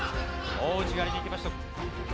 大内刈りにいきました。